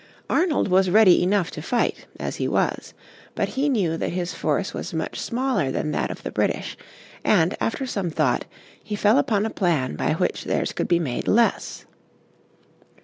Arnold was ready enough to fight, as he was. But he knew that his force was much smaller than that of the British, and, after some thought, he fell upon a plan by which theirs could be made less.